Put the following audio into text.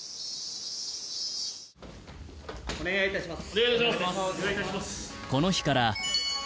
お願いいたします。